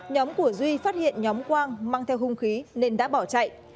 nhóm của duy phát hiện nhóm quang mang theo hung khí nên đã bỏ chạy